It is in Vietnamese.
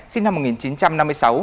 sinh năm một nghìn chín trăm năm mươi sáu